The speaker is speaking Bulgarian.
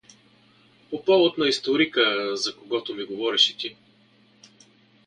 По повод на историка, за когото ми говореше ти.